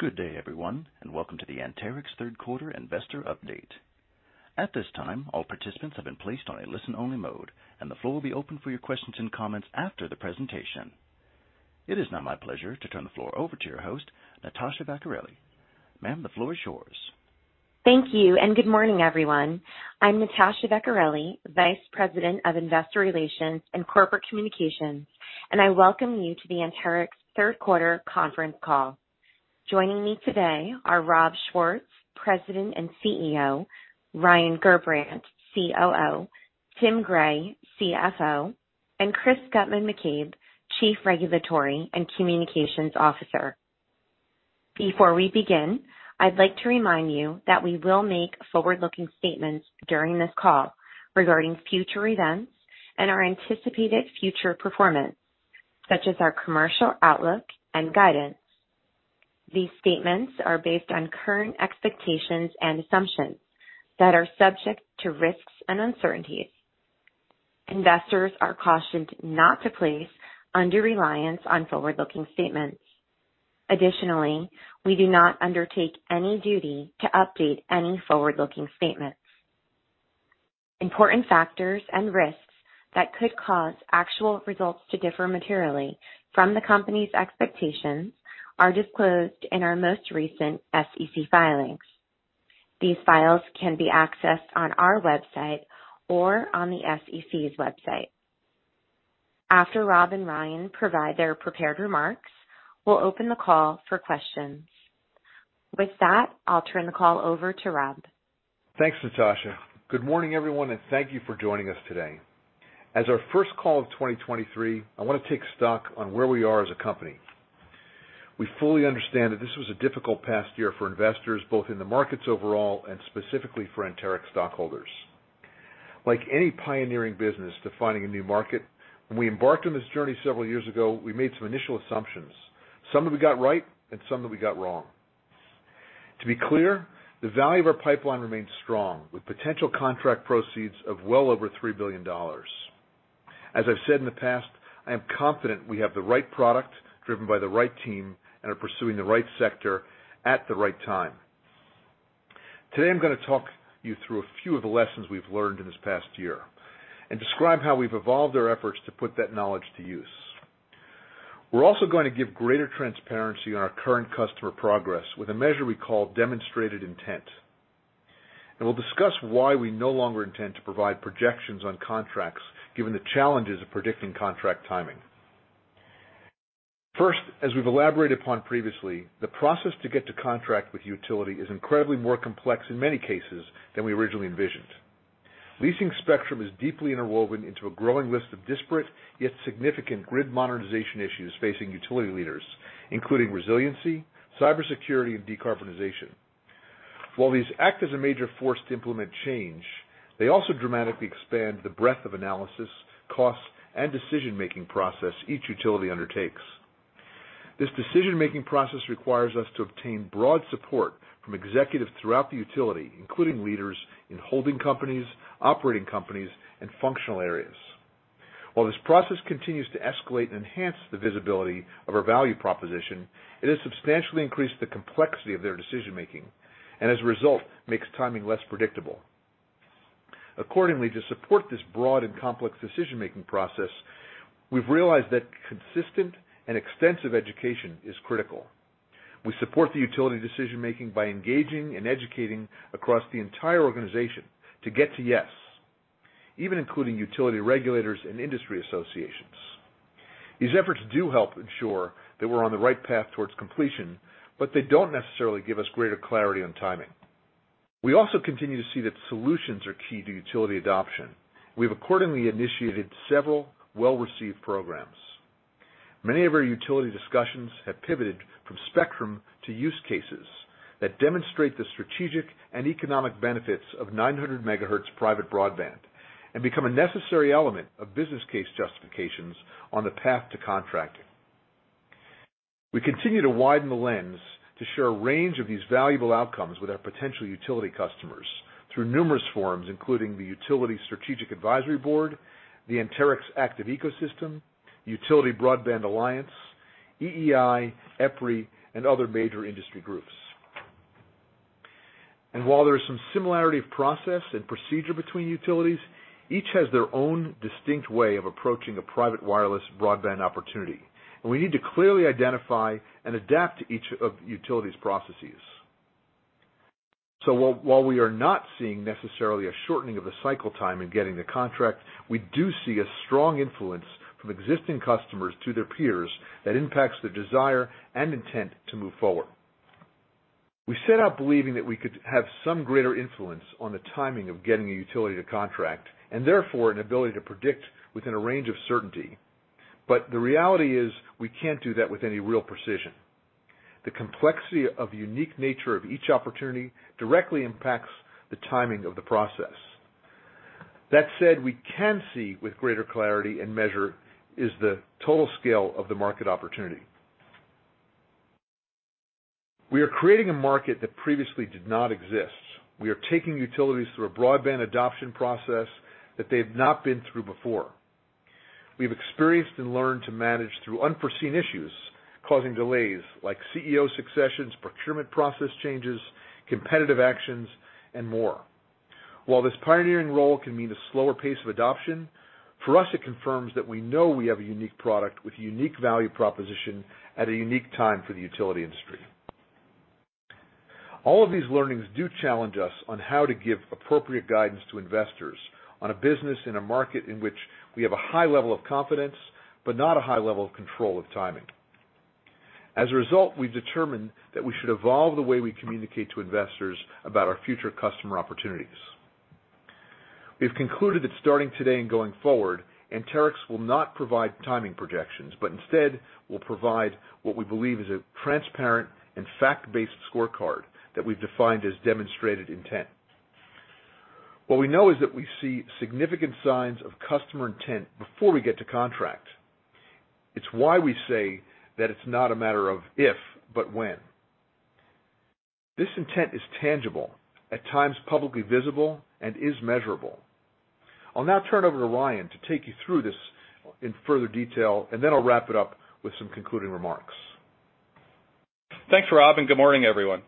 Good day, everyone, and welcome to the Anterix Third Quarter Investor update. At this time, all participants have been placed on a listen-only mode and the floor will be open for your questions and comments after the presentation. It is now my pleasure to turn the floor over to your host, Natasha Vecchiarelli. Ma'am, the floor is yours. Thank you and good morning, everyone. I'm Natasha Vecchiarelli, Vice President of Investor Relations and Corporate Communications. I welcome you to the Anterix Third Quarter conference call. Joining me today are Rob Schwartz, President and CEO, Ryan Gerbrandt, COO, Tim Gray, CFO, and Chris Guttman-McCabe, Chief Regulatory and Communications Officer. Before we begin, I'd like to remind you that we will make forward-looking statements during this call regarding future events and our anticipated future performance such as our commercial outlook and guidance. These statements are based on current expectations and assumptions that are subject to risks and uncertainties. Investors are cautioned not to place undue reliance on forward-looking statements. Additionally, we do not undertake any duty to update any forward-looking statements. Important factors and risks that could cause actual results to differ materially from the company's expectations are disclosed in our most recent SEC filings. These files can be accessed on our website or on the SEC's website. After Rob and Ryan provide their prepared remarks, we'll open the call for questions. With that, I'll turn the call over to Rob. Thanks, Natasha. Good morning, everyone, and thank you for joining us today. As our first call of 2023, I want to take stock on where we are as a company. We fully understand that this was a difficult past year for investors, both in the markets overall and specifically for Anterix stockholders. Like any pioneering business defining a new market, when we embarked on this journey several years ago, we made some initial assumptions, some that we got right and some that we got wrong. To be clear, the value of our pipeline remains strong with potential contract proceeds of well over $3 billion. As I've said in the past, I am confident we have the right product driven by the right team and are pursuing the right sector at the right time. Today, I'm going to talk you through a few of the lessons we've learned in this past year and describe how we've evolved our efforts to put that knowledge to use. We're also going to give greater transparency on our current customer progress with a measure we call demonstrated intent, and we'll discuss why we no longer intend to provide projections on contracts, given the challenges of predicting contract timing. First, as we've elaborated upon previously, the process to get to contract with utility is incredibly more complex in many cases than we originally envisioned. Leasing spectrum is deeply interwoven into a growing list of disparate yet significant grid modernization issues facing utility leaders including resiliency, cybersecurity, and decarbonization. While these act as a major force to implement change, they also dramatically expand the breadth of analysis, costs, and decision-making process each utility undertakes. This decision-making process requires us to obtain broad support from executives throughout the utility, including leaders in holding companies, operating companies, and functional areas. While this process continues to escalate and enhance the visibility of our value proposition, it has substantially increased the complexity of their decision making, and as a result, makes timing less predictable. Accordingly, to support this broad and complex decision-making process, we've realized that consistent and extensive education is critical. We support the utility decision making by engaging and educating across the entire organization to get to yes even including utility regulators and industry associations. These efforts do help ensure that we're on the right path towards completion. They don't necessarily give us greater clarity on timing. We also continue to see that solutions are key to utility adoption. We've accordingly initiated several well-received programs. Many of our utility discussions have pivoted from spectrum to use cases that demonstrate the strategic and economic benefits of 900 MHz private broadband and become a necessary element of business case justifications on the path to contracting. We continue to widen the lens to share a range of these valuable outcomes with our potential utility customers through numerous forums, including the Utility Strategic Advisory Board, the Anterix Active Ecosystem, Utility Broadband Alliance, EEI, EPRI, and other major industry groups. While there is some similarity of process and procedure between utilities, each has their own distinct way of approaching a private wireless broadband opportunity, and we need to clearly identify and adapt to each of the utilities' processes. While we are not seeing necessarily a shortening of the cycle time in getting the contract, we do see a strong influence from existing customers to their peers that impacts their desire and intent to move forward. We set out believing that we could have some greater influence on the timing of getting a utility to contract and therefore an ability to predict within a range of certainty. The reality is we can't do that with any real precision. The complexity of the unique nature of each opportunity directly impacts the timing of the process. That said, we can see with greater clarity and measure is the total scale of the market opportunity. We are creating a market that previously did not exist. We are taking utilities through a broadband adoption process that they've not been through before. We've experienced and learned to manage through unforeseen issues causing delays like CEO successions, procurement process changes, competitive actions, and more. While this pioneering role can mean a slower pace of adoption, for us, it confirms that we know we have a unique product with a unique value proposition at a unique time for the utility industry. All of these learnings do challenge us on how to give appropriate guidance to investors on a business in a market in which we have a high level of confidence, but not a high level of control of timing. As a result, we've determined that we should evolve the way we communicate to investors about our future customer opportunities. We've concluded that starting today and going forward, Anterix will not provide timing projections, but instead will provide what we believe is a transparent and fact-based scorecard that we've defined as demonstrated intent. What we know is that we see significant signs of customer intent before we get to contract. It's why we say that it's not a matter of if, but when. This intent is tangible, at times publicly visible, and is measurable. I'll now turn over to Ryan to take you through this in further detail, and then I'll wrap it up with some concluding remarks. Thanks, Rob, and good morning, everyone.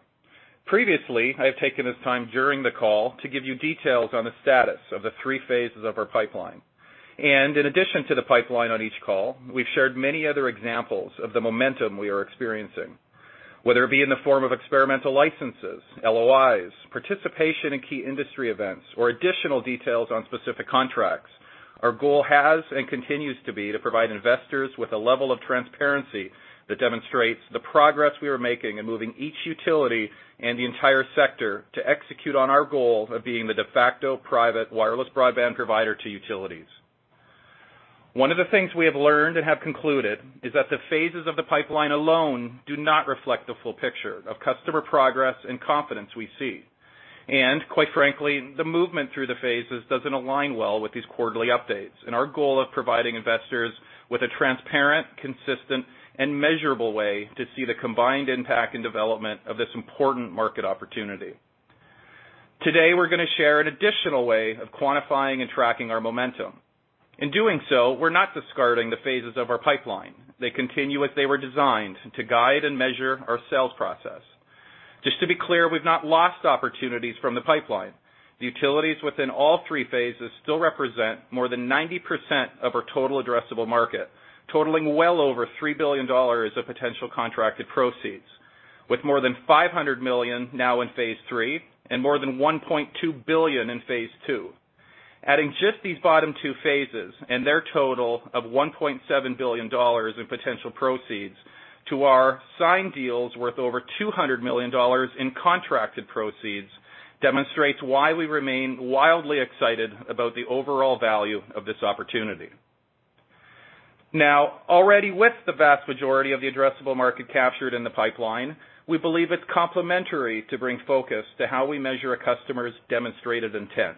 Previously, I have taken this time during the call to give you details on the status of the three phases of our pipeline. In addition to the pipeline on each call, we've shared many other examples of the momentum we are experiencing, whether it be in the form of experimental licenses, LOIs, participation in key industry events or additional details on specific contracts. Our goal has and continues to be to provide investors with a level of transparency that demonstrates the progress we are making in moving each utility and the entire sector to execute on our goal of being the de facto private wireless broadband provider to utilities. One of the things we have learned and have concluded is that the phases of the pipeline alone do not reflect the full picture of customer progress and confidence we see. Quite frankly, the movement through the phases doesn't align well with these quarterly updates and our goal of providing investors with a transparent, consistent, and measurable way to see the combined impact and development of this important market opportunity. Today, we're going to share an additional way of quantifying and tracking our momentum. In doing so, we're not discarding the phases of our pipeline. They continue as they were designed to guide and measure our sales process. Just to be clear, we've not lost opportunities from the pipeline. The utilities within all three phases still represent more than 90% of our total addressable market, totaling well over $3 billion of potential contracted proceeds, with more than $500 million now in phase three and more than $1.2 billion in phase II. Adding just these bottom two phases and their total of $1.7 billion in potential proceeds to our signed deals worth over $200 million in contracted proceeds demonstrates why we remain wildly excited about the overall value of this opportunity. Now, already with the vast majority of the addressable market captured in the pipeline, we believe it's complementary to bring focus to how we measure a customer's demonstrated intent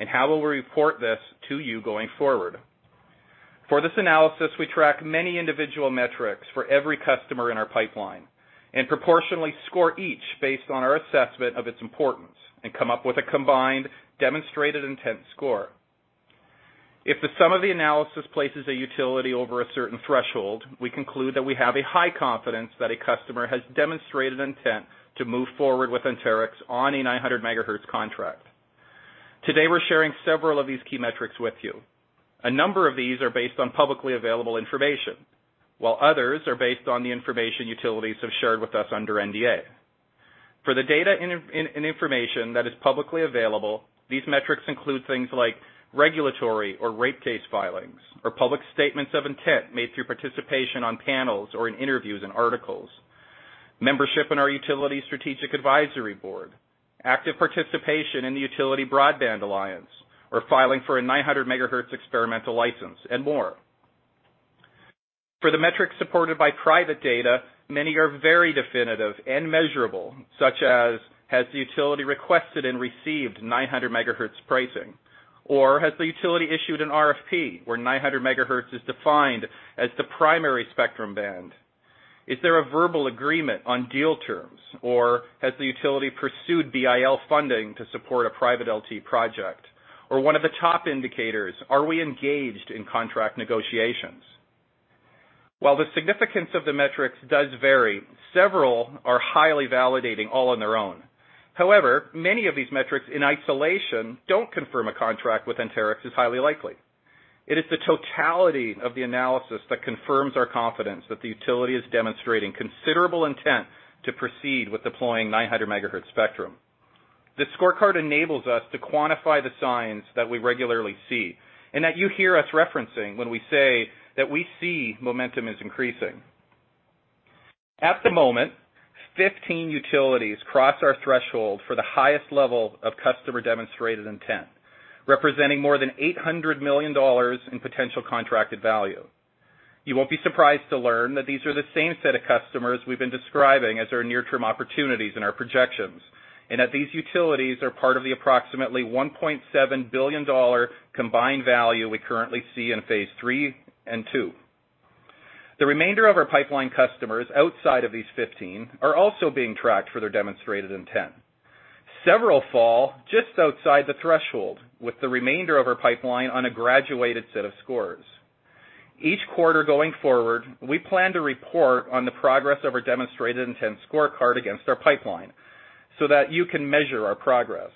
and how will we report this to you going forward. For this analysis, we track many individual metrics for every customer in our pipeline and proportionally score each based on our assessment of its importance and come up with a combined demonstrated intent score. If the sum of the analysis places a utility over a certain threshold, we conclude that we have a high confidence that a customer has demonstrated intent to move forward with Anterix on a 900 MHz contract. Today, we're sharing several of these key metrics with you. A number of these are based on publicly available information, while others are based on the information utilities have shared with us under NDA. For the data and information that is publicly available, these metrics include things like regulatory or rate case filings, or public statements of intent made through participation on panels or in interviews and articles, membership in our Utility Strategic Advisory Board, active participation in the Utility Broadband Alliance, or filing for a 900 MHz experimental license, and more. For the metrics supported by private data, many are very definitive and measurable, such as, has the utility requested and received 900 MHz pricing? Has the utility issued an RFP where 900 MHz is defined as the primary spectrum band? Is there a verbal agreement on deal terms? Has the utility pursued BIL funding to support a private LTE project? One of the top indicators, are we engaged in contract negotiations? While the significance of the metrics does vary, several are highly validating all on their own. However, many of these metrics in isolation don't confirm a contract with Anterix is highly likely. It is the totality of the analysis that confirms our confidence that the utility is demonstrating considerable intent to proceed with deploying 900 MHz spectrum. The scorecard enables us to quantify the signs that we regularly see and that you hear us referencing when we say that we see momentum is increasing. At the moment, 15 utilities cross our threshold for the highest level of customer demonstrated intent, representing more than $800 million in potential contracted value. You won't be surprised to learn that these are the same set of customers we've been describing as our near-term opportunities in our projections. These utilities are part of the approximately $1.7 billion combined value we currently see in phase III and II. The remainder of our pipeline customers outside of these 15 are also being tracked for their demonstrated intent. Several fall just outside the threshold, with the remainder of our pipeline on a graduated set of scores. Each quarter going forward, we plan to report on the progress of our demonstrated intent scorecard against our pipeline so that you can measure our progress.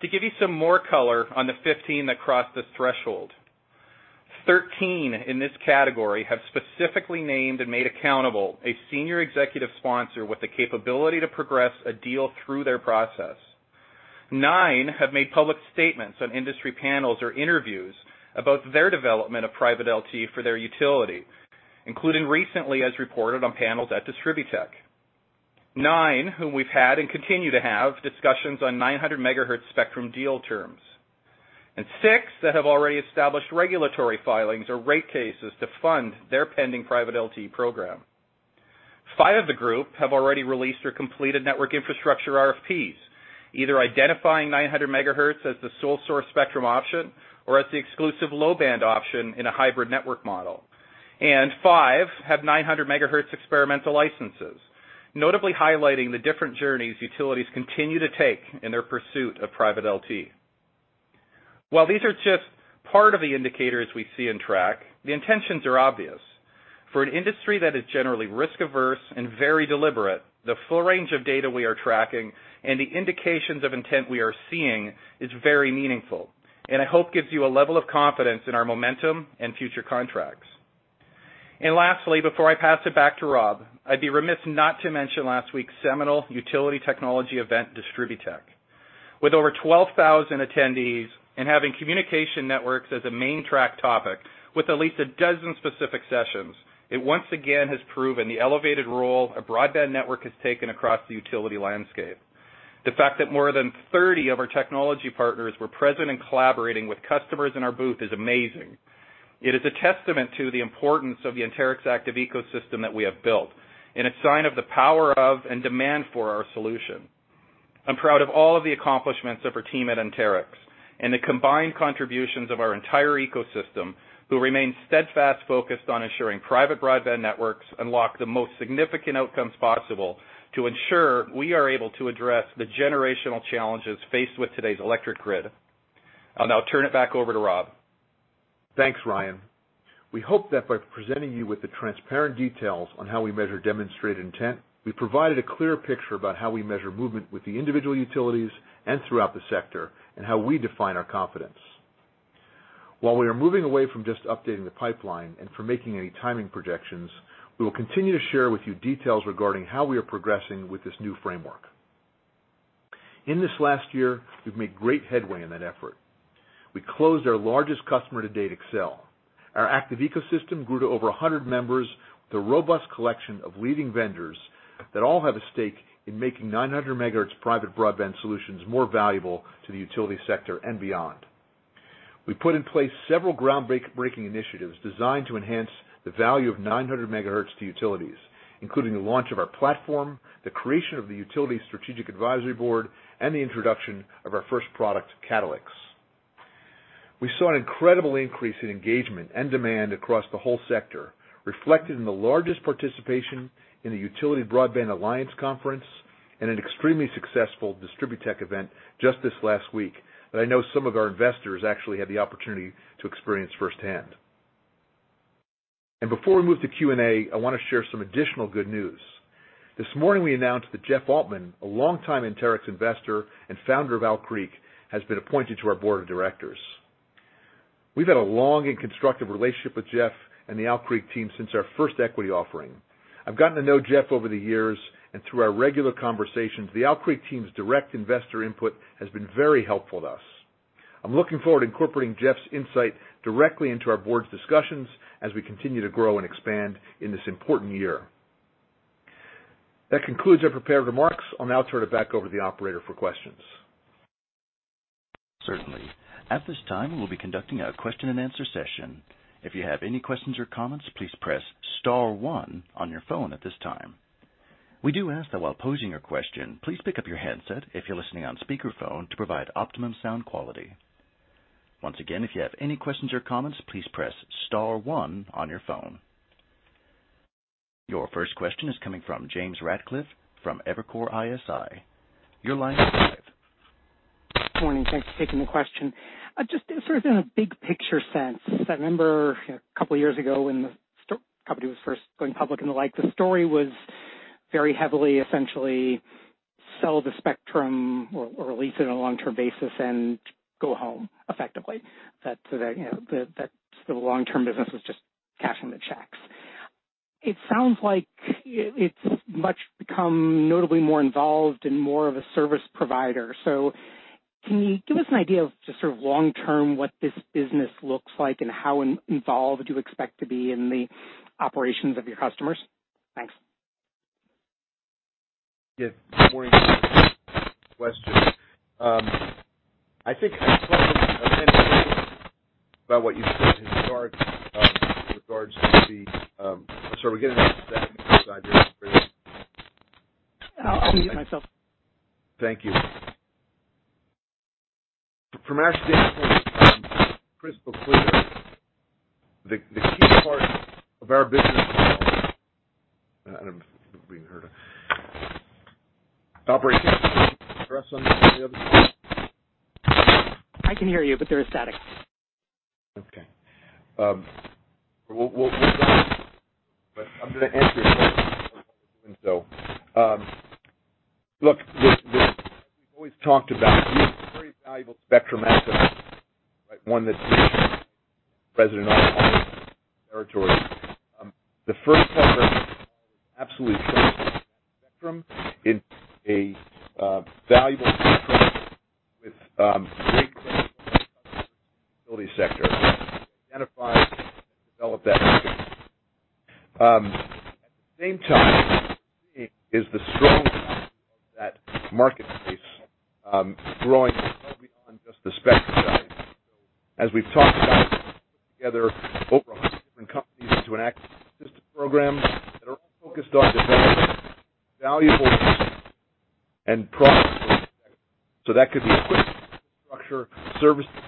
To give you some more color on the 15 that crossed the threshold. Thirteen in this category have specifically named and made accountable a senior executive sponsor with the capability to progress a deal through their process. Nine have made public statements on industry panels or interviews about their development of private LTE for their utility, including recently as reported on panels at DistribuTECH. Nine whom we've had and continue to have discussions on 900 MHz spectrum deal terms. Six that have already established regulatory filings or rate cases to fund their pending private LTE program. Five of the group have already released or completed network infrastructure RFPs, either identifying 900 MHz as the sole source spectrum option or as the exclusive low-band option in a hybrid network model. Five have 900 MHz experimental licenses, notably highlighting the different journeys utilities continue to take in their pursuit of private LTE. While these are just part of the indicators we see and track, the intentions are obvious. For an industry that is generally risk-averse and very deliberate, the full range of data we are tracking and the indications of intent we are seeing is very meaningful and I hope gives you a level of confidence in our momentum and future contracts. Lastly, before I pass it back to Rob, I'd be remiss not to mention last week's seminal utility technology event, DistribuTECH. With over 12,000 attendees and having communication networks as a main track topic with at least 12 specific sessions, it once again has proven the elevated role a broadband network has taken across the utility landscape. The fact that more than 30 of our technology partners were present and collaborating with customers in our booth is amazing. It is a testament to the importance of the Anterix Active Ecosystem that we have built and a sign of the power of and demand for our solution. I'm proud of all of the accomplishments of our team at Anterix and the combined contributions of our entire ecosystem who remain steadfast focused on ensuring private broadband networks unlock the most significant outcomes possible to ensure we are able to address the generational challenges faced with today's electric grid. I'll now turn it back over to Rob. Thanks, Ryan. We hope that by presenting you with the transparent details on how we measure demonstrated intent, we provided a clear picture about how we measure movement with the individual utilities and throughout the sector and how we define our confidence. While we are moving away from just updating the pipeline and from making any timing projections, we will continue to share with you details regarding how we are progressing with this new framework. In this last year, we've made great headway in that effort. We closed our largest customer to date, Xcel. Our Active Ecosystem grew to over 100 members with a robust collection of leading vendors that all have a stake in making 900 megahertz private broadband solutions more valuable to the utility sector and beyond. We put in place several groundbreaking initiatives designed to enhance the value of 900 MHz to utilities including the launch of our platform, the creation of the Utility Strategic Advisory Board, and the introduction of our first product, CatalyX. We saw an incredible increase in engagement and demand across the whole sector reflected in the largest participation in the Utility Broadband Alliance conference and an extremely successful DistribuTECH event just this last week that I know some of our investors actually had the opportunity to experience firsthand. Before we move to Q&A, I want to share some additional good news. This morning we announced that Jeff Altman, a longtime Anterix investor and founder of Owl Creek, has been appointed to our Board of Directors. We've had a long and constructive relationship with Jeff and the Owl Creek team since our first equity offering. I've gotten to know Jeff over the years, and through our regular conversations, the Owl Creek team's direct investor input has been very helpful to us. I'm looking forward to incorporating Jeff's insight directly into our board's discussions as we continue to grow and expand in this important year. That concludes our prepared remarks. I'll now turn it back over to the operator for questions. Certainly. At this time, we'll be conducting a question and answer session. If you have any questions or comments, please press star one on your phone at this time. We do ask that while posing your question, please pick up your handset if you're listening on speakerphone to provide optimum sound quality. Once again, if you have any questions or comments, please press star one on your phone. Your first question is coming from James Ratcliffe from Evercore ISI. Your line is live. Good morning. Thanks for taking the question. Just sort of in a big picture sense, I remember a couple years ago when the company was first going public and the like, the story was very heavily essentially sell the spectrum or lease it on a long-term basis and go home effectively, so that, you know, the long-term business was just cashing the checks. It sounds like it's much become notably more involved and more of a service provider. Can you give us an idea of just sort of long term what this business looks like and how involved you expect to be in the operations of your customers? Thanks. Yes, good morning. Question. I think about what you said Sorry, we're getting a static side here, Chris. I'll mute myself. Thank you. From our standpoint, it's crystal clear. The key part of our business model. I don't know if you can hear it. Operator, can you address on the other side? I can hear you but there is static. Okay. I'm going to answer your question while we're doing so. Look, as we've always talked about, we have a very valuable spectrum asset, right? One that's unique, resident on our territory. The first part of our model is absolutely sure that spectrum is a valuable asset with great potential customers in the mobility sector to identify and develop that market. At the same time, what we're seeing is the strong possibility of that market base growing well beyond just the spectrum side. As we've talked about, we've pulled together over 100 different companies into an ecosystem program that are all focused on developing valuable solutions and products for that spectrum. That could be equipment, infrastructure, services,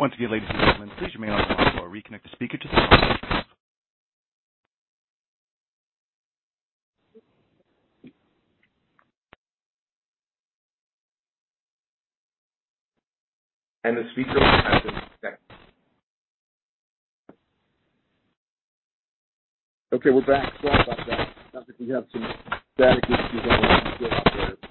Once again, ladies and gentlemen, please remain on the line while we reconnect the speaker to the conference call. The speaker has been reconnected. Okay, we're back. Sorry about that. Sounds like we have some static issues on our end as well.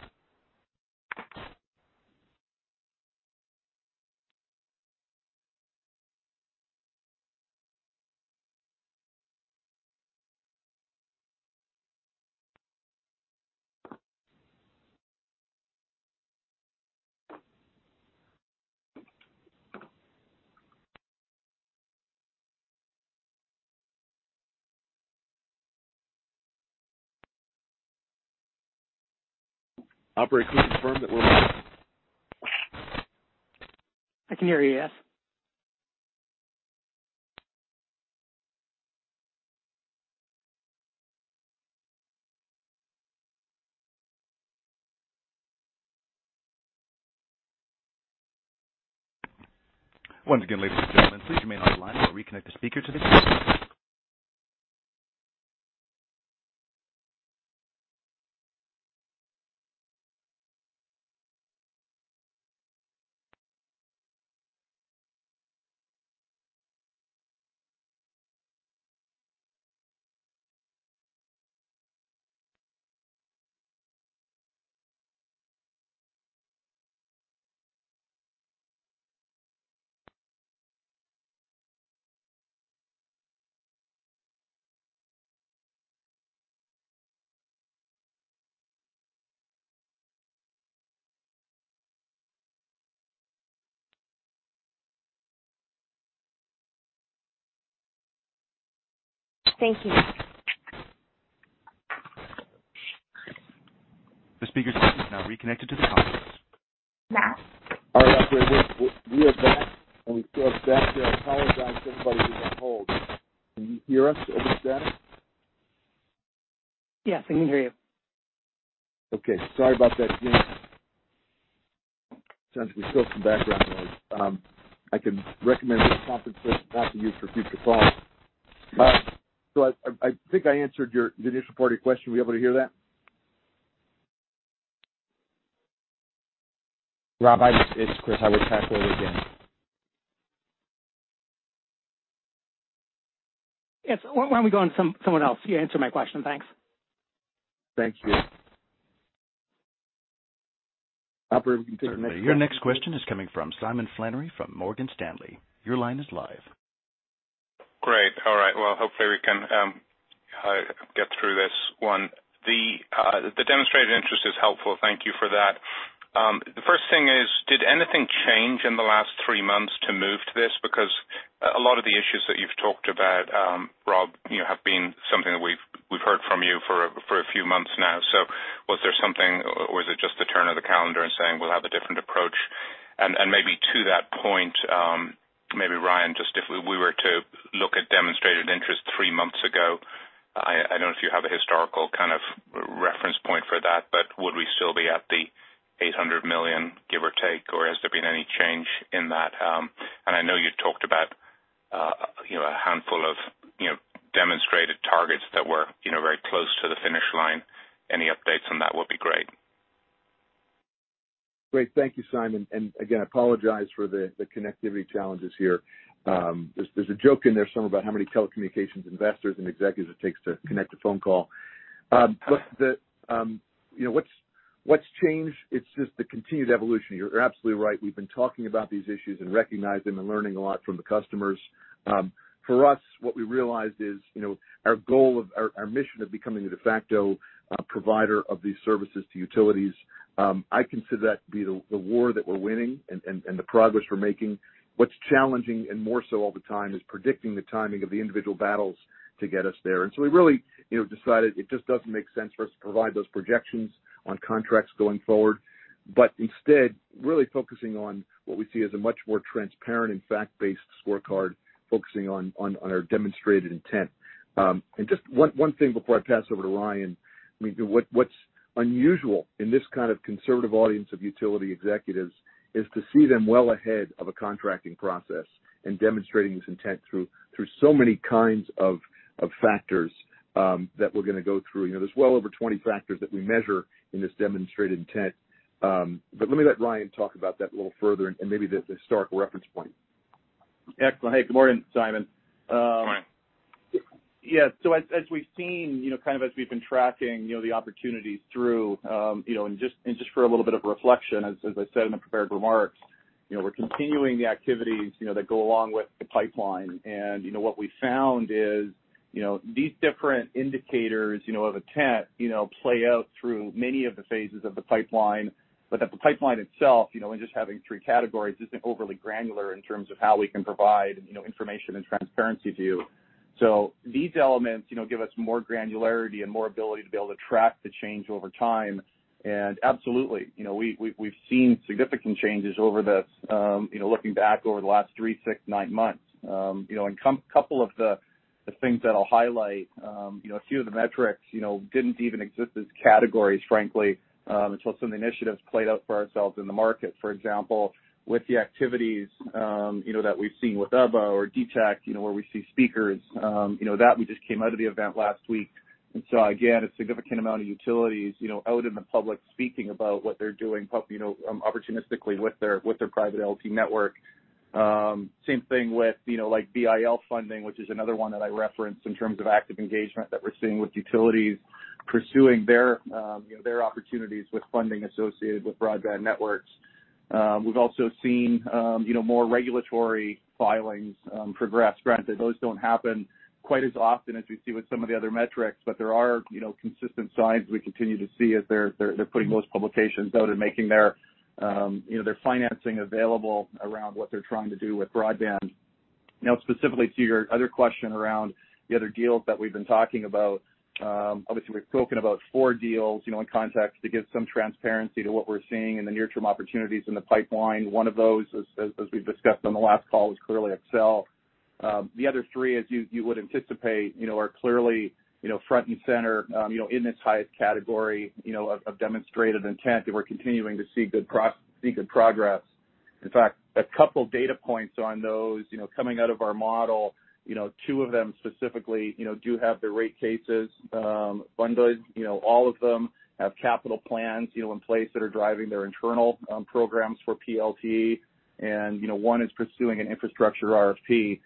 Operator, can you confirm that we're. I can hear you, yes. Once again, ladies and gentlemen, please remain on the line while we reconnect the speaker to the conference call. Thank you. The speaker's line is now reconnected to the conference. Now? All right. Operator, we are back. We still have static. I apologize to everybody we put on hold. Can you hear us over the static? Yes, I can hear you. Okay. Sorry about that, James. Sounds like we still have some background noise. I can recommend a conference bridge option to you for future calls. I think I answered the initial part of your question. Were you able to hear that? Rob, it's Chris. I would pass it over to Jim. Yes. Why don't we go on someone else? You answered my question. Thanks. Thank you. Robert. Certainly. Your next question is coming from Simon Flannery from Morgan Stanley. Your line is live. Great. All right. Well, hopefully, we can get through this one. The demonstrated interest is helpful. Thank you for that. The first thing is, did anything change in the last three months to move to this? Because a lot of the issues that you've talked about, Rob, you know, have been something that we've heard from you for a few months now. Was there something or was it just the turn of the calendar and saying, "We'll have a different approach"? Maybe to that point, maybe Ryan, just if we were to look at demonstrated interest three months ago, I don't know if you have a historical kind of reference point for that, but would we still be at the $800 million, give or take, or has there been any change in that? I know you talked about, you know, a handful of, you know, demonstrated intent that were, you know, very close to the finish line. Any updates on that would be great. Great. Thank you, Simon. Again, I apologize for the connectivity challenges here. There's a joke in there somewhere about how many telecommunications investors and executives it takes to connect a phone call. What's changed, it's just the continued evolution. You're absolutely right. We've been talking about these issues and recognizing them and learning a lot from the customers. For us, what we realized is, you know, our goal, our mission of becoming a de facto provider of these services to utilities, I consider that to be the war that we're winning and the progress we're making. What's challenging, and more so all the time, is predicting the timing of the individual battles to get us there. We really, you know, decided it just doesn't make sense for us to provide those projections on contracts going forward. Instead, really focusing on what we see as a much more transparent and fact-based scorecard, focusing on our demonstrated intent. Just one thing before I pass over to Ryan, I mean, what's unusual in this kind of conservative audience of utility executives is to see them well ahead of a contracting process and demonstrating this intent through so many kinds of factors that we're going to go through. There's well over 20 factors that we measure in this demonstrated intent. Let me let Ryan talk about that a little further and maybe the historical reference point. Excellent. Hey, good morning, Simon. Good morning. Yeah. As we've seen, you know, kind of as we've been tracking, you know, the opportunities through, you know, and just for a little bit of reflection, as I said in the prepared remarks, you know, we're continuing the activities, you know, that go along with the pipeline. What we found is, you know, these different indicators, you know, of intent, you know, play out through many of the phases of the pipeline, but that the pipeline itself, you know, in just having three categories, isn't overly granular in terms of how we can provide, you know, information and transparency to you. These elements, you know, give us more granularity and more ability to be able to track the change over time. Absolutely, you know, we've seen significant changes over this, you know, looking back over the last three, six, nine months. You know, couple of the things that I'll highlight, you know, a few of the metrics, you know, didn't even exist as categories, frankly, until some of the initiatives played out for ourselves in the market. For example, with the activities, you know, that we've seen with UBBA or DTECH, you know, where we see speakers, you know, that we just came out of the event last week. Again, a significant amount of utilities, you know, out in the public speaking about what they're doing you know, opportunistically with their private LTE network. Same thing with, you know, like, BIL funding, which is another one that I referenced in terms of active engagement that we're seeing with utilities pursuing their, you know, their opportunities with funding associated with broadband networks. We've also seen, you know, more regulatory filings, progress. Granted, those don't happen quite as often as we see with some of the other metrics, but there are, you know, consistent signs we continue to see as they're putting those publications out and making their, you know, their financing available around what they're trying to do with broadband. Specifically to your other question around the other deals that we've been talking about, obviously, we've spoken about four deals, you know, in context to give some transparency to what we're seeing in the near-term opportunities in the pipeline. One of those, as we've discussed on the last call is clearly Xcel. The other three, as you would anticipate, you know, are clearly, you know, front and center, you know, in this highest category, you know, of demonstrated intent, and we're continuing to see good progress. In fact, a couple data points on those, you know, coming out of our model, you know, two of them specifically, you know, do have their rate cases bundled. You know, all of them have capital plans, you know, in place that are driving their internal programs for PLT. One is pursuing an infrastructure RFP.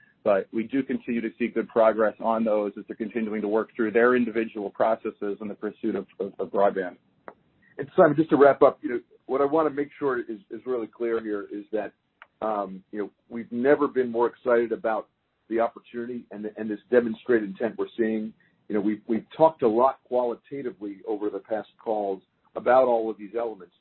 We do continue to see good progress on those as they're continuing to work through their individual processes in the pursuit of broadband. Simon, just to wrap up, you know, what I want to make sure is really clear here is that, you know, we've never been more excited about the opportunity and this demonstrated intent we're seeing. You know, we've talked a lot qualitatively over the past calls about all of these elements.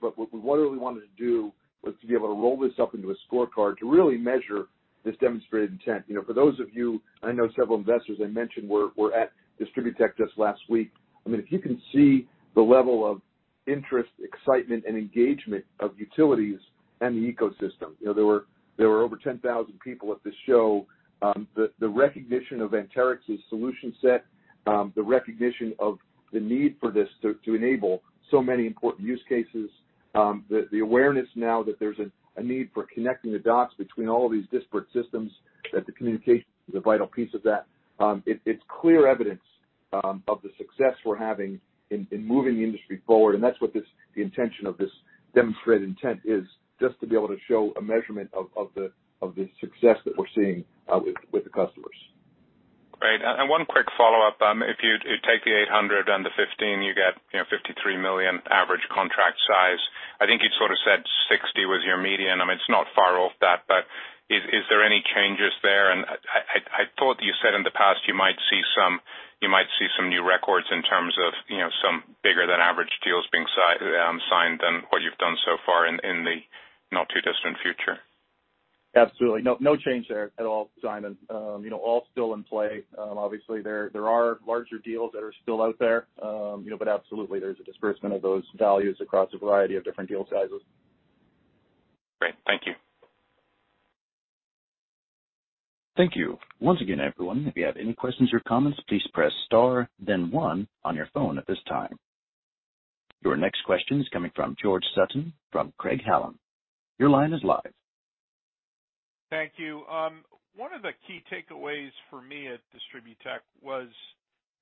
What we really wanted to do was to be able to roll this up into a scorecard to really measure this demonstrated intent. You know, for those of you, I know several investors I mentioned were at DistribuTECH just last week. I mean, if you can see the level of interest, excitement, and engagement of utilities and the ecosystem. You know, there were over 10,000 people at this show. The recognition of Anterix's solution set, the recognition of the need for this to enable so many important use cases. The awareness now that there's a need for connecting the dots between all of these disparate systems, that the communication is a vital piece of that, it's clear evidence of the success we're having in moving the industry forward. That's what the intention of this demonstrate intent is just to be able to show a measurement of the success that we're seeing with the customers. Great and one quick follow-up. If you take the 800 and the 15, you get, you know, $53 million average contract size. I think you'd sort of said 60 was your median. I mean, it's not far off that, but is there any changes there? I thought you said in the past you might see some new records in terms of, you know, some bigger than average deals being signed than what you've done so far in the not too distant future. Absolutely. No, no change there at all, Simon. You know, all still in play. Obviously there are larger deals that are still out there. You know, absolutely there's a disbursement of those values across a variety of different deal sizes. Great. Thank you. Thank you. Once again, everyone, if you have any questions or comments, please press star then one on your phone at this time. Your next question is coming from George Sutton from Craig-Hallum. Your line is live. Thank you. One of the key takeaways for me at DistribuTECH was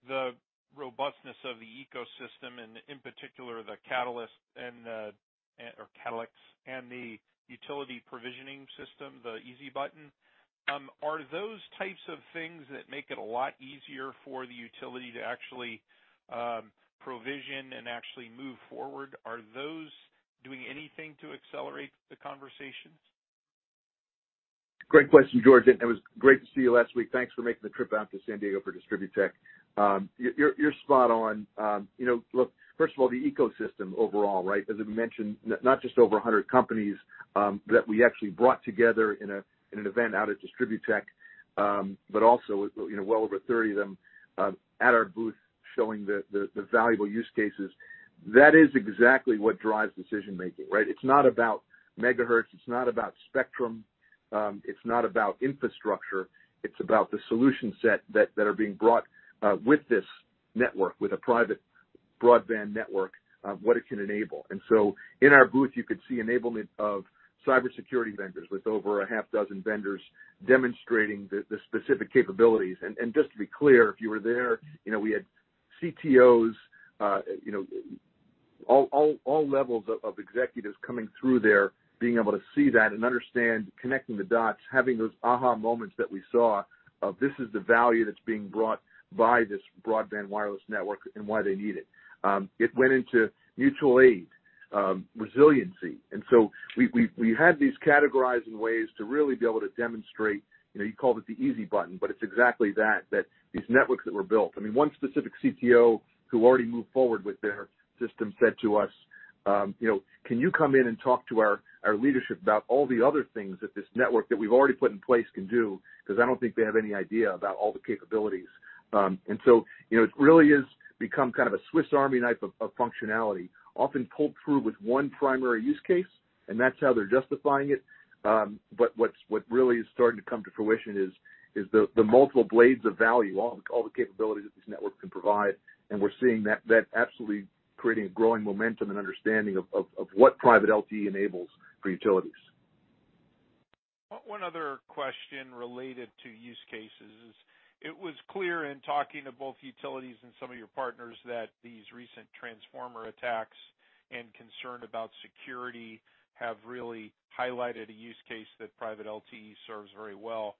the robustness of the ecosystem and in particular CatalyX and the utility provisioning system, the easy button. Are those types of things that make it a lot easier for the utility to actually provision and actually move forward? Are those doing anything to accelerate the conversations? Great question, George, and it was great to see you last week. Thanks for making the trip out to San Diego for DistribuTECH. You're spot on. You know, look, first of all, the ecosystem overall, right? As we mentioned, not just over 100 companies that we actually brought together in an event out at DistribuTECH, but also, you know, well over 30 of them at our booth showing the valuable use cases. That is exactly what drives decision-making, right? It's not about megahertz, it's not about spectrum, it's not about infrastructure. It's about the solution set that are being brought with this network with a private broadband network, what it can enable. In our booth, you could see enablement of cybersecurity vendors with over a half dozen vendors demonstrating the specific capabilities. Just to be clear, if you were there, you know, we had CTOs, you know, all levels of executives coming through there, being able to see that and understand connecting the dots, having those aha moments that we saw of this is the value that's being brought by this broadband wireless network and why they need it. It went into mutual aid, resiliency. We had these categorizing ways to really be able to demonstrate, you know, you called it the easy button, but it's exactly that these networks that were built. I mean, one specific CTO who already moved forward with their system said to us, you know, "Can you come in and talk to our leadership about all the other things that this network that we've already put in place can do? Because I don't think they have any idea about all the capabilities." You know, it really is become kind of a Swiss Army knife of functionality, often pulled through with one primary use case and that's how they're justifying it. What really is starting to come to fruition is the multiple blades of value, all the capabilities that this network can provide. We're seeing that absolutely creating a growing momentum and understanding of what private LTE enables for utilities. One other question related to use cases. It was clear in talking to both utilities and some of your partners that these recent transformer attacks and concern about security have really highlighted a use case that private LTE serves very well.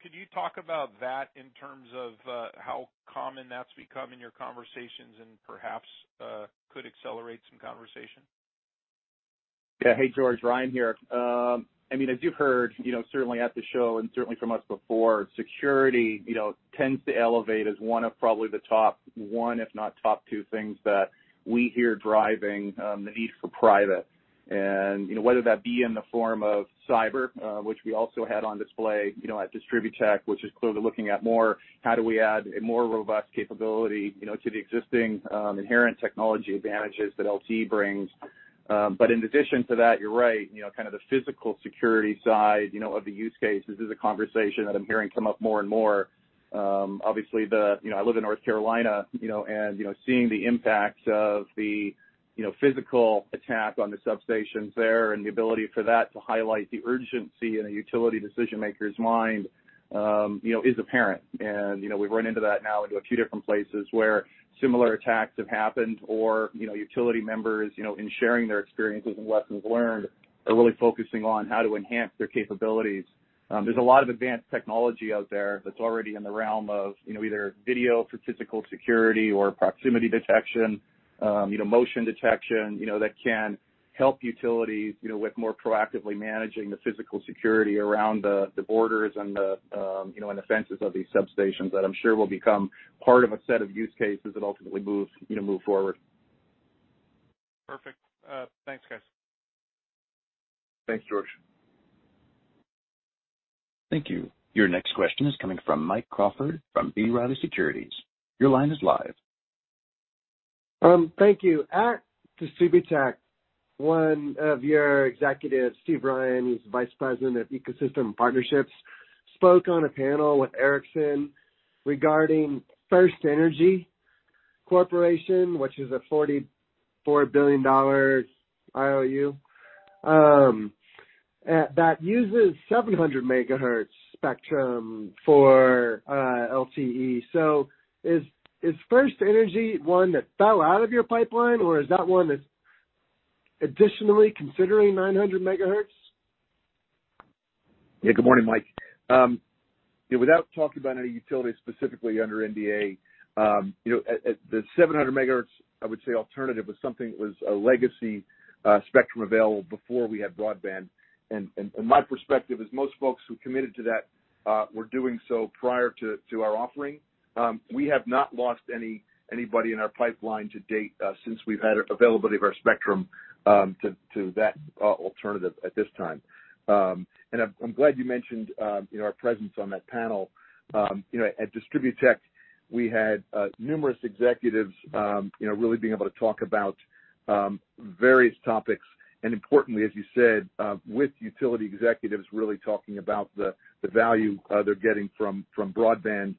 Could you talk about that in terms of how common that's become in your conversations and perhaps could accelerate some conversation? Yeah. Hey, George, Ryan here. I mean, as you've heard, you know, certainly at the show and certainly from us before, security, you know, tends to elevate as one of probably the top one, if not top two things that we hear driving the need for private. Whether that be in the form of cyber, which we also had on display, you know, at DistribuTECH, which is clearly looking at more how do we add a more robust capability, you know, to the existing, inherent technology advantages that LTE brings. In addition to that, you're right, you know, kind of the physical security side, you know, of the use case, this is a conversation that I'm hearing come up more and more. Obviously the, you know, I live in North Carolina, you know, and, you know, seeing the impact of the, you know, physical attack on the substations there and the ability for that to highlight the urgency in a utility decision-maker's mind, you know, is apparent. You know, we've run into that now into a few different places where similar attacks have happened or, you know, utility members, you know, in sharing their experiences and lessons learned, are really focusing on how to enhance their capabilities. There's a lot of advanced technology out there that's already in the realm of, you know, either video for physical security or proximity detection, you know, motion detection, you know, that can help utilities, you know, with more proactively managing the physical security around the borders and the, you know, and the fences of these substations that I'm sure will become part of a set of use cases that ultimately moves, you know, move forward. Perfect. Thanks, guys. Thanks, George. Thank you. Your next question is coming from Mike Crawford from B. Riley Securities. Your line is live. Thank you. At DistribuTECH, one of your executives, Steve Ryan, who's Vice President of Ecosystem and Partnerships, spoke on a panel with Ericsson regarding FirstEnergy Corporation, which is a $44 billion IOU, that uses 700 MHz spectrum for LTE. Is FirstEnergy one that fell out of your pipeline, or is that one that's additionally considering 900 MHz? Yeah. Good morning, Mike. Without talking about any utilities specifically under NDA, you know, the 700 MHz, I would say alternative was something that was a legacy spectrum available before we had broadband. My perspective is most folks who committed to that were doing so prior to our offering. We have not lost anybody in our pipeline to date since we've had availability of our spectrum to that alternative at this time. I'm glad you mentioned, you know, our presence on that panel. You know, at DistribuTECH, we had numerous executives, you know, really being able to talk about various topics and importantly, as you said, with utility executives, really talking about the value they're getting from broadband.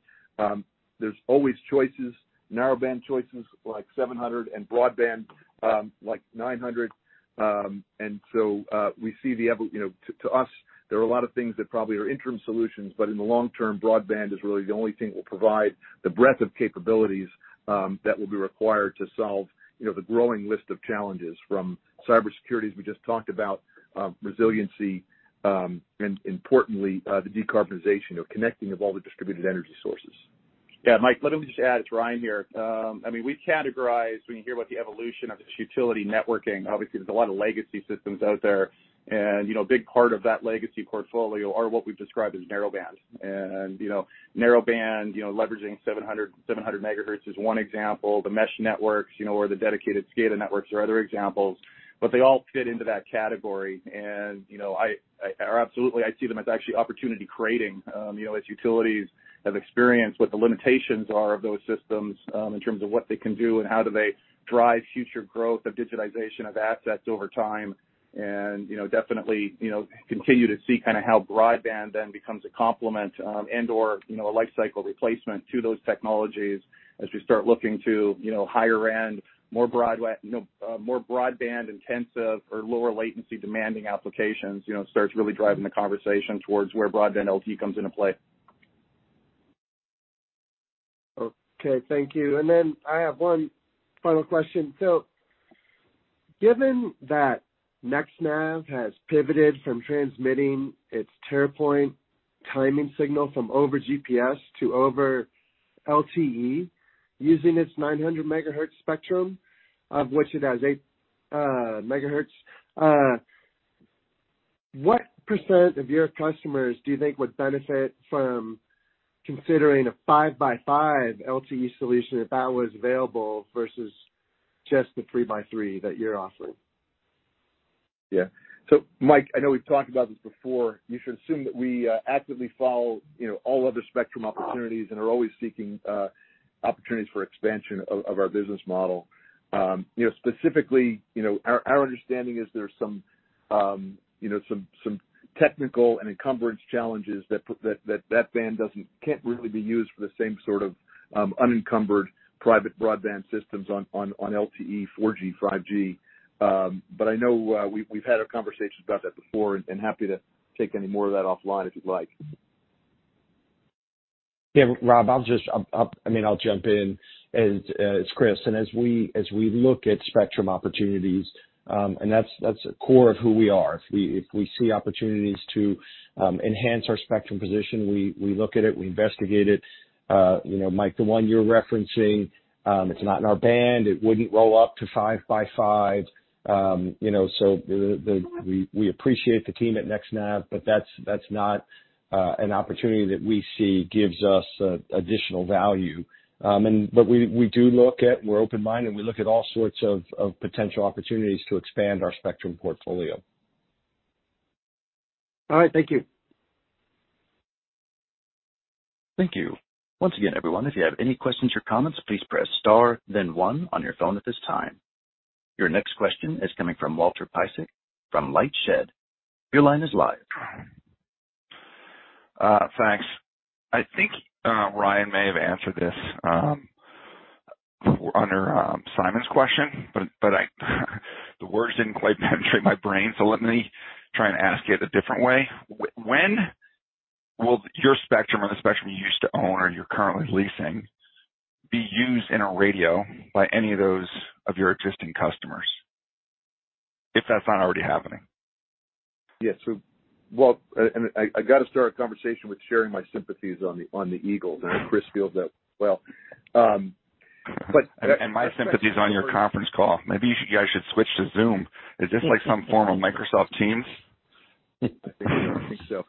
There's always choices, narrowband choices like 700 MHz and broadband, like 900 MHz. You know, to us, there are a lot of things that probably are interim solutions, but in the long term broadband is really the only thing that will provide the breadth of capabilities that will be required to solve, you know, the growing list of challenges from cybersecurity, as we just talked about, resiliency, and importantly, the decarbonization or connecting of all the distributed energy sources. Yeah, Mike, let me just add, it's Ryan here. I mean, we've categorized when you hear about the evolution of this utility networking. Obviously, there's a lot of legacy systems out there. You know, a big part of that legacy portfolio are what we've described as narrowband. You know, narrowband, you know, leveraging 700 MHz is one example. The mesh networks, you know, or the dedicated SCADA networks are other examples. They all fit into that category. You know, absolutely, I see them as actually opportunity creating, you know, as utilities have experienced what the limitations are of those systems, in terms of what they can do and how do they drive future growth of digitization of assets over time. Definitely, you know, continue to see kind of how broadband then becomes a complement, and/or, you know, a lifecycle replacement to those technologies as we start looking to, you know, higher-end, more you know, more broadband-intensive or lower latency demanding applications, you know, starts really driving the conversation towards where broadband LTE comes into play. Okay. Thank you. I have one final question. Given that NextNav has pivoted from transmitting its Terra Point timing signal from over GPS to over LTE using its 900 MHz spectrum, of which it has 8 MHz, what percentage of your customers do you think would benefit from considering a five-by-five LTE solution if that was available versus just the three-by-three that you're offering? Yeah. Mike, I know we've talked about this before. You should assume that we actively follow, you know, all other spectrum opportunities and are always seeking opportunities for expansion of our business model. You know, specifically, you know, our understanding is there's some, you know, some technical and encumbrance challenges that that band doesn't can't really be used for the same sort of unencumbered private broadband systems on LTE, 4G, 5G. I know we've had our conversations about that befor, and happy to take any more of that offline if you'd like. Yeah. Rob, I'll just, I mean, I'll jump in as Chris. As we look at spectrum opportunities, that's a core of who we are. If we see opportunities to enhance our spectrum position, we look at it, we investigate it. You know, Mike, the one you're referencing, it's not in our band. It wouldn't roll up to five-by-five. You know, We appreciate the team at NextNav, but that's not an opportunity that we see gives us additional value. We do look at, we're open-minded, we look at all sorts of potential opportunities to expand our spectrum portfolio. All right. Thank you. Thank you. Once again, everyone, if you have any questions or comments, please press star then one on your phone at this time. Your next question is coming from Walter Piecyk from LightShed. Your line is live. Thanks. I think Ryan may have answered this under Simon's question, but the words didn't quite penetrate my brain, so let me try and ask it a different way. When will your spectrum or the spectrum you used to own or you're currently leasing be used in a radio by any of those of your existing customers, if that's not already happening? Yeah. Well, I got to start a conversation with sharing my sympathies on the Eagles. I know Chris feels that well. My sympathy is on your conference call. Maybe you guys should switch to Zoom. Is this like some form of Microsoft Teams? I think so.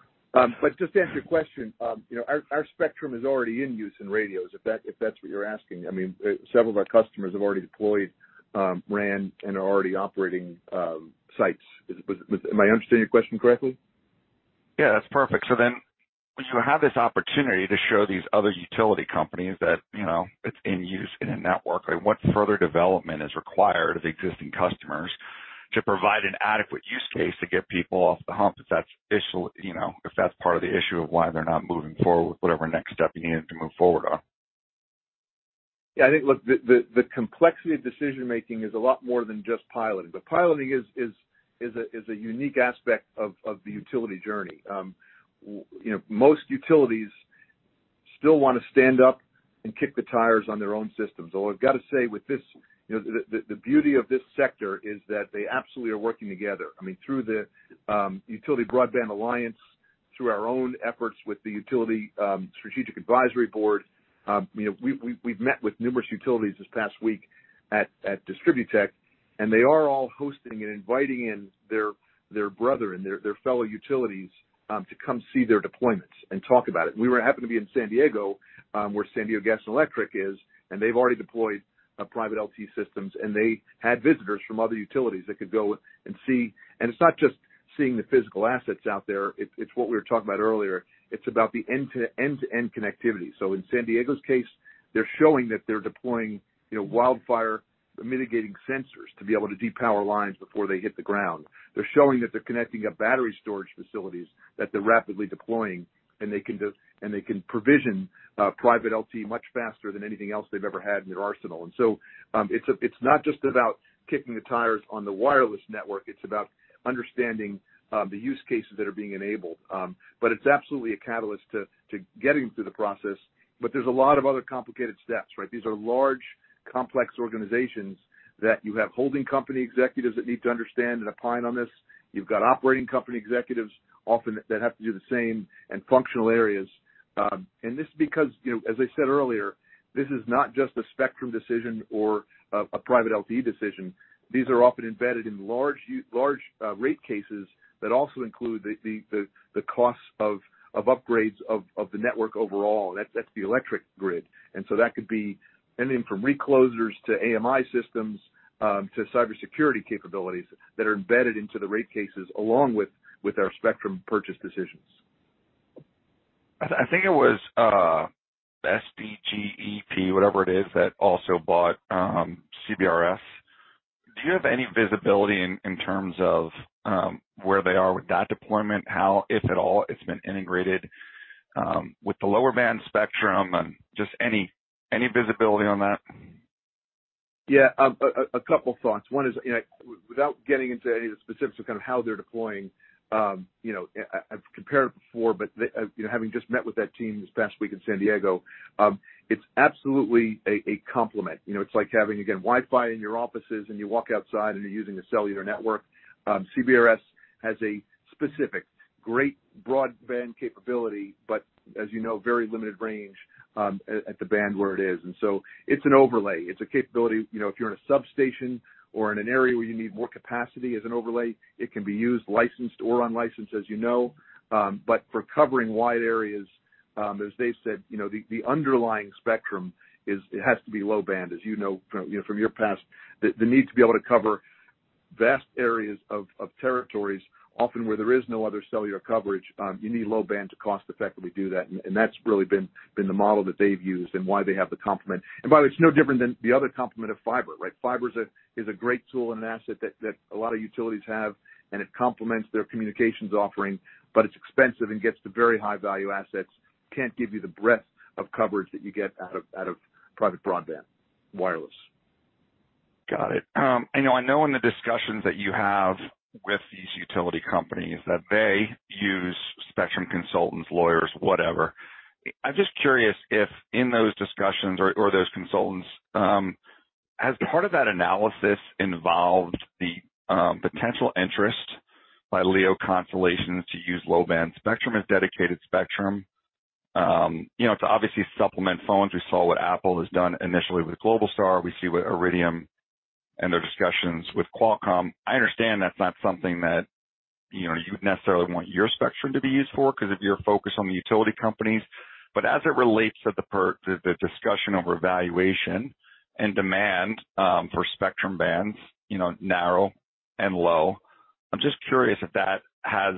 Just to answer your question, you know, our spectrum is already in use in radios, if that, if that's what you're asking. I mean, several of our customers have already deployed RAN and are already operating sites. Am I understanding your question correctly? Yeah, that's perfect. I have this opportunity to show these other utility companies that, you know, it's in use in a network, what further development is required of existing customers to provide an adequate use case to get people off the hump, you know, if that's part of the issue of why they're not moving forward with whatever next step you need to move forward on. Yeah, I think, look, the complexity of decision-making is a lot more than just piloting. The piloting is a unique aspect of the utility journey. You know, most utilities still want to stand up and kick the tires on their own systems, although I've got to say with this, you know, the beauty of this sector is that they absolutely are working together. I mean, through the Utility Broadband Alliance, through our own efforts with the Utility Strategic Advisory Board, you know, we've met with numerous utilities this past week at DistribuTECH, and they are all hosting and inviting in their brother and their fellow utilities to come see their deployments and talk about it. We were happening to be in San Diego, where San Diego Gas & Electric is, and they've already deployed private LTE systems, and they had visitors from other utilities that could go and see. It's not just seeing the physical assets out there. It's what we were talking about earlier. It's about the end-to-end connectivity. In San Diego's case, they're showing that they're deploying, you know, wildfire mitigating sensors to be able to depower lines before they hit the ground. They're showing that they're connecting up battery storage facilities that they're rapidly deploying, and they can provision private LTE much faster than anything else they've ever had in their arsenal. It's not just about kicking the tires on the wireless network. It's about understanding the use cases that are being enabled. It's absolutely a catalyst to getting through the process. There's a lot of other complicated steps, right? These are large, complex organizations that you have holding company executives that need to understand and opine on this. You've got operating company executives often that have to do the same and functional areas. This is because, you know, as I said earlier, this is not just a spectrum decision or a private LTE decision. These are often embedded in large rate cases that also include the costs of upgrades of the network overall. That's the electric grid. That could be anything from reclosers to AMI systems, to cybersecurity capabilities that are embedded into the rate cases along with our spectrum purchase decisions. I think it was, SDG&E, whatever it is, that also bought, CBRS. Do you have any visibility in terms of, where they are with that deployment, how, if at all, it's been integrated with the lower-band spectrum and just any visibility on that? Yeah. A couple thoughts. One is, you know, without getting into any of the specifics of kind of how they're deploying, you know, I've compared it before, but you know, having just met with that team this past week in San Diego, it's absolutely a complement. You know, it's like having, again, Wi-Fi in your offices and you walk outside, and you're using a cellular network. CBRS has a specific great broadband capability, but as you know, very limited range at the band where it is. It's an overlay. It's a capability, you know, if you're in a substation or in an area where you need more capacity as an overlay, it can be used licensed or unlicensed, as you know. For covering wide areas, as they've said, you know, the underlying spectrum is it has to be low-band, as you know from your past. The need to be able to cover vast areas of territories, often where there is no other cellular coverage, you need low-band to cost-effectively do that. That's really been the model that they've used and why they have the complement. By the way, it's no different than the other complement of fiber, right? Fiber's a great tool and an asset that a lot of utilities have and it complements their communications offering, but it's expensive and gets to very high value assets. It can't give you the breadth of coverage that you get out of private broadband, wireless. Got it. You know, I know in the discussions that you have with these utility companies that they use spectrum consultants, lawyers, whatever. I'm just curious if in those discussions or those consultants, has part of that analysis involved the potential interest by LEO constellations to use low-band spectrum as dedicated spectrum? You know, to obviously supplement phones. We saw what Apple has done initially with Globalstar. We see what Iridium and their discussions with Qualcomm. I understand that's not something that, you know, you would necessarily want your spectrum to be used for, because of your focus on the utility companies. As it relates to the discussion over valuation and demand for spectrum bands, you know, narrow and low, I'm just curious if that has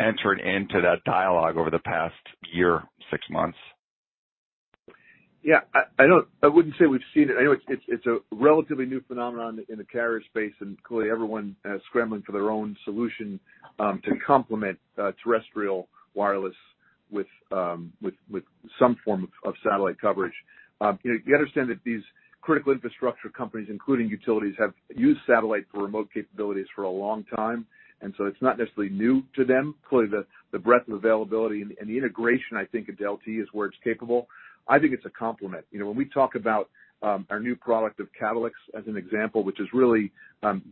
entered into that dialogue over the past year or six months. I wouldn't say we've seen it. I know it's a relatively new phenomenon in the carrier space, and clearly, everyone is scrambling for their own solution to complement terrestrial wireless with some form of satellite coverage. You know, you understand that these critical infrastructure companies including utilities, have used satellite for remote capabilities for a long time. It's not necessarily new to them. Clearly, the breadth of availability and the integration, I think, of LTE is where it's capable. I think it's a complement. You know, when we talk about our new product of CatalyX as an example, which is really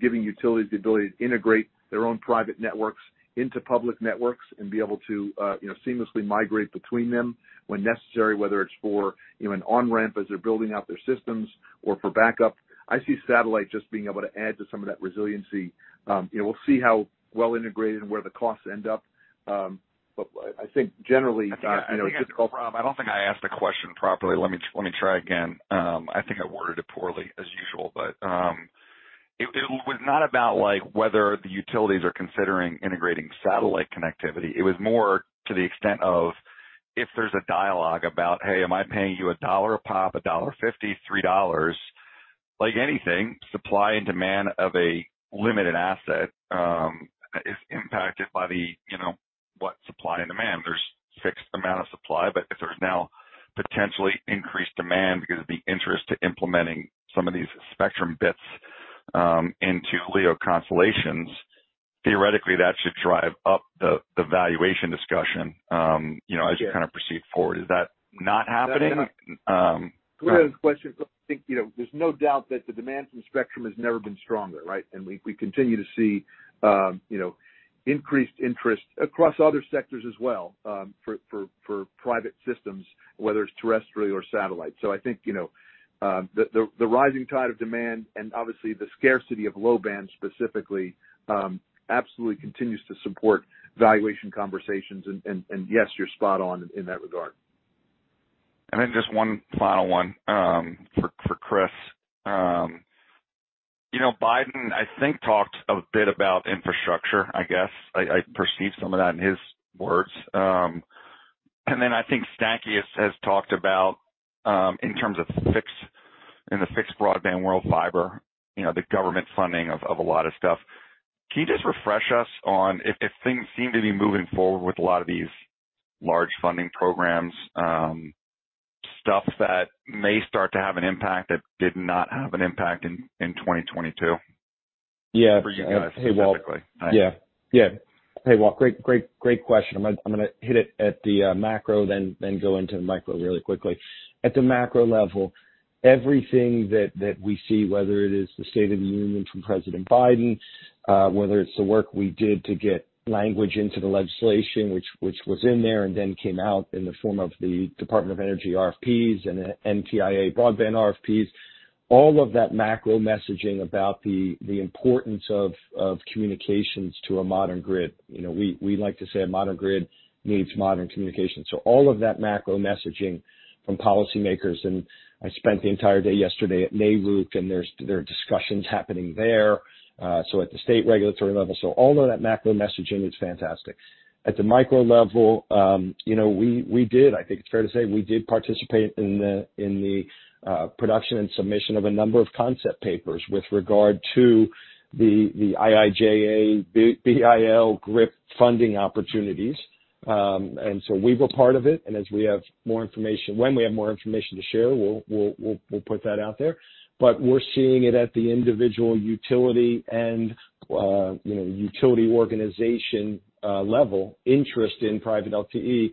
giving utilities the ability to integrate their own private networks into public networks and be able to, you know, seamlessly migrate between them when necessary, whether it's for, you know, an on-ramp as they're building out their systems or for backup. I see satellite just being able to add to some of that resiliency. You know, we'll see how well integrated and where the costs end up. I think generally, you know. I think, Rob, I don't think I asked the question properly. Let me try again. I think I worded it poorly, as usual. It was not about like whether the utilities are considering integrating satellite connectivity. It was more to the extent of. If there's a dialogue about, "Hey, am I paying you $1 a pop, $1.50, or $3?" Like anything, supply and demand of a limited asset, is impacted by the, you know, what supply and demand. There's fixed amount of supply, but if there's now potentially increased demand because of the interest to implementing some of these spectrum bits into LEO constellations, theoretically, that should drive up the valuation discussion, you know, as you kind of proceed forward. Is that not happening? Great question. Look, I think, you know, there's no doubt that the demand from spectrum has never been stronger, right? We continue to see, you know, increased interest across other sectors as well, for private systems, whether it's terrestrial or satellite. I think, you know, the rising tide of demand and obviously the scarcity of low-band specifically, absolutely continues to support valuation conversations and yes, you're spot on in that regard. just one final one, for Chris. you know, Biden, I think, talked a bit about infrastructure, I perceived some of that in his words. I think Stankey has talked about, in terms of in the fixed broadband world fiber, you know, the government funding of a lot of stuff. Can you just refresh us on if things seem to be moving forward with a lot of these large funding programs, stuff that may start to have an impact that did not have an impact in 2022? Yeah. For you guys specifically. Yeah. Yeah. Hey, Walt, great, great question. I'm going to hit it at the macro then go into the micro really quickly. At the macro level, everything that we see whether it is the State of the Union from President Biden, whether it's the work we did to get language into the legislation which was in there and then came out in the form of the Department of Energy RFPs and NTIA broadband RFPs. All of that macro messaging about the importance of communications to a modern grid, you know, we like to say a modern grid needs modern communication. All of that macro messaging from policymakers, and I spent the entire day yesterday at NARUC and there are discussions happening there. At the state regulatory level. All of that macro messaging is fantastic. At the micro level, you know, we did, I think it's fair to say, we did participate in the production and submission of a number of concept papers with regard to the IIJA, BIL GRIP funding opportunities. We were part of it. When we have more information to share, we'll put that out there. We're seeing it at the individual utility and, you know, utility organization level interest in private LTE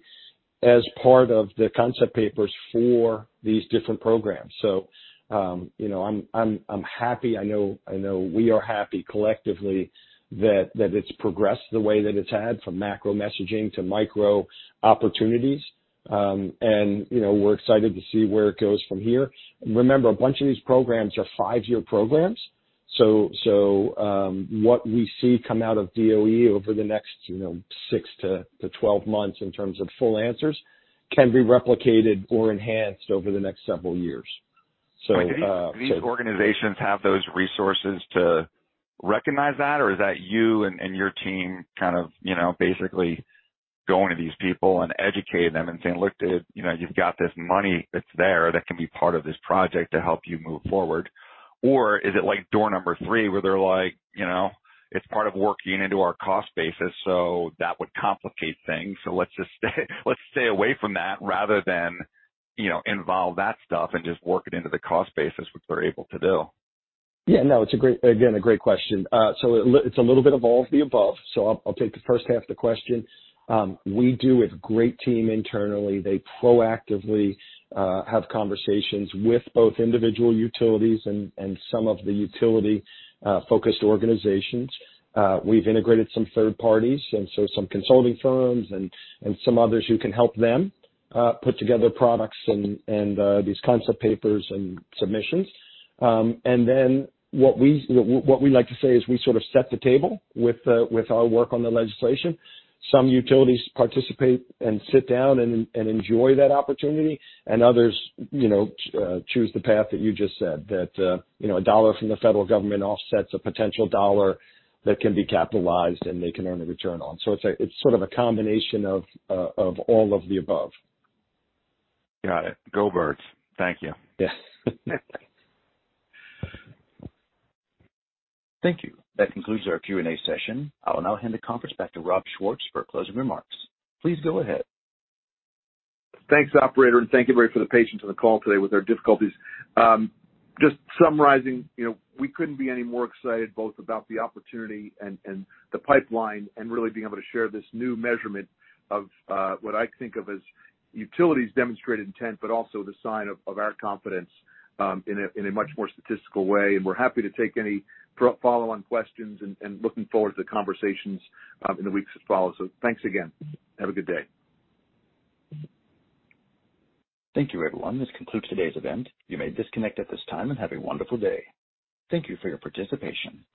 as part of the concept papers for these different programs. You know, I'm happy. I know we are happy collectively that it's progressed the way that it's had from macro messaging to micro opportunities. You know, we're excited to see where it goes from here. Remember, a bunch of these programs are five-year programs, so, what we see come out of DOE over the next, you know, six to 12 months in terms of full answers can be replicated or enhanced over the next several years, so. Do these organizations have those resources to recognize that? Is that you and your team kind of, you know, basically going to these people and educating them and saying, "Look, dude, you know, you've got this money that's there that can be part of this project to help you move forward or is it like door number three where they're like, "You know, it's part of working into our cost basis, so that would complicate things. Let's just stay away from that rather than, you know, involve that stuff and just work it into the cost basis, which we're able to do. Yeah, no, it's a great, again, a great question. It's a little bit of all of the above. I'll take the first half of the question. We do have great team internally. They proactively have conversations with both individual utilities and some of the utility focused organizations. We've integrated some third parties and so some consulting firms and some others who can help them put together products and these concept papers and submissions. What we like to say is we sort of set the table with our work on the legislation. Some utilities participate and sit down and enjoy that opportunity and others, you know, choose the path that you just said that, you know, $1 from the federal government offsets a potential $1 that can be capitalized and they can earn a return on. It's sort of a combination of all of the above. Got it. Go Birds. Thank you. Yes. Thank you. That concludes our Q&A session. I will now hand the conference back to Rob Schwartz for closing remarks. Please go ahead. Thanks, operator, and thank you, everybody for the patience on the call today with our difficulties. Just summarizing, you know, we couldn't be any more excited both about the opportunity and the pipeline and really being able to share this new measurement of what I think of as utilities demonstrated intent, but also, the sign of our confidence, in a much more statistical way. We're happy to take any follow-on questions and looking forward to the conversations in the weeks to follow. Thanks again. Have a good day. Thank you everyone. This concludes today's event. You may disconnect at this time and have a wonderful day. Thank you for your participation.